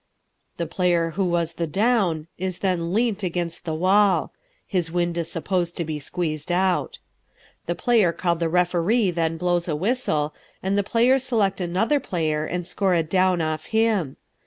The player who was the Down is then leant against the wall; his wind is supposed to be squeezed out. The player called the referee then blows a whistle and the players select another player and score a down off him.